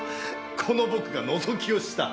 この僕がのぞきをした？